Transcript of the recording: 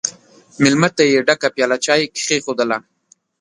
مېلمه ته یې ډکه پیاله چای کښېښودله!